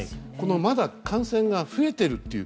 これ、まだ感染が増えている。